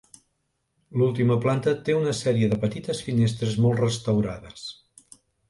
L'última planta té una sèrie de petites finestres molt restaurades.